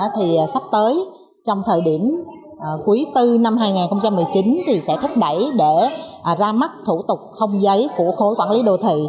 thì sắp tới trong thời điểm cuối tư năm hai nghìn một mươi chín thì sẽ thúc đẩy để ra mắt thủ tục không giấy của khối quản lý đô thị